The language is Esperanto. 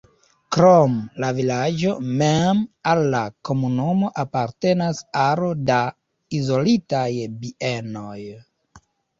Krom la vilaĝo mem al la komunumo apartenas aro da izolitaj bienoj.